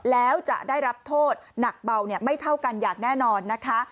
แล้วจะได้รับโทษหนักเบาไม่เท่ากันอย่างแน่นอนนะคะ